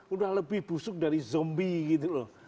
udah lebih busuk dari zombie gitu loh